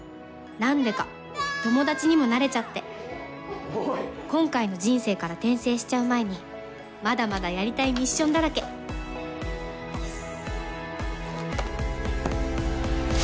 何でか友達にもなれちゃって今回の人生から転生しちゃう前にまだまだやりたいミッションだらけよし。